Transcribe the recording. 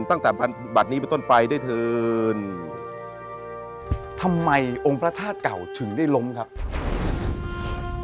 ตั้งแต่บัตรนี้ไปต้นไปด้วยเถินทำไมองค์พระธาตุเก่าถึงได้ล้มครับ